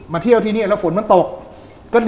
เที่ยวที่นี่แล้วฝนมันตก